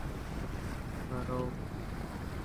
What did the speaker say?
بہ رو۔